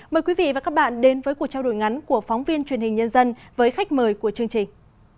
mời quý vị và các bạn đến với cuộc trao đổi ngắn của phóng viên truyền hình nhân dân với khách mời của chương trình